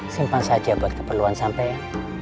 simpan saja buat keperluan sampe ya